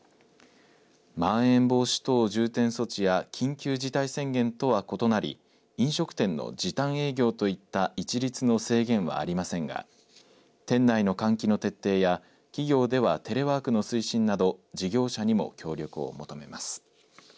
まん延防止等重点措置や緊急事態宣言とは異なり飲食店の時短営業といった一律の制限はありませんが店内の換気の徹底や企業ではテレワークの推進など事業者にも協力を求めます。